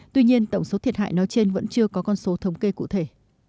tuy nhiên tổng số thiệt hại nói trên vẫn chưa có con số thống kê cụ thể